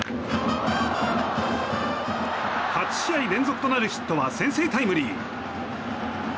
８試合連続となるヒットは先制タイムリー。